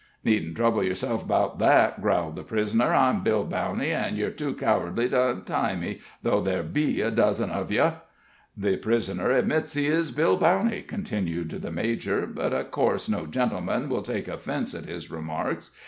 "Needn't trouble yourself 'bout that," growled the prisoner. "I'm Bill Bowney; an' yer too cowardly to untie me, though ther be a dozen uv yer." "The prisoner admits he is Bill Bowney," continued the major, "but of course no gentleman will take offense at his remarks.